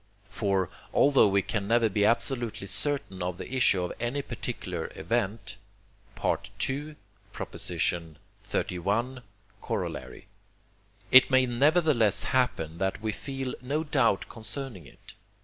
For, although we can never be absolutely certain of the issue of any particular event (II. xxxi. Coroll.), it may nevertheless happen that we feel no doubt concerning it.